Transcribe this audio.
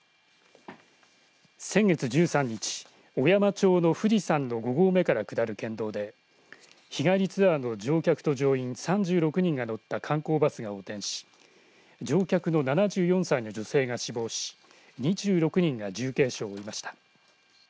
先月１３日小山町の富士山の５合目から下る県道で日帰りツアーの乗客と乗員３６人が乗った観光バスが横転し、乗客の７４歳の女性が死亡し２６人が重軽傷を負いました。